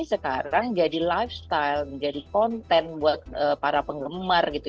sekarang jadi lifestyle menjadi konten buat para penggemar gitu